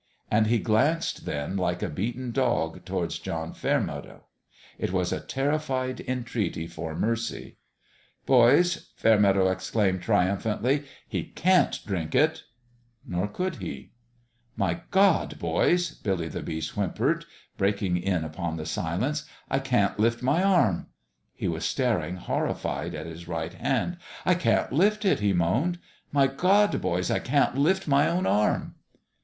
And he glanced, then, like a beaten dog, towards John Fairmeadow. It was a terrified entreaty for mercy. 310 A MIRACLE at PALE PETER'S " Boys," Fairmeadow exclaimed, triumphantly, " he can't drink it !" Nor could he. " My God, boys !" Billy the Beast whimpered, breaking in upon the silence, " I can't lift my arm." He was staring horrified at his right hand. " I can't lift it !" he moaned. " My God, boys, I can't lift my own arm !